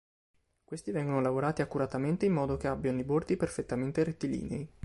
Questi vengono lavorati accuratamente in modo che abbiano i bordi perfettamente rettilinei.